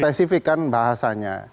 spesifik kan bahasanya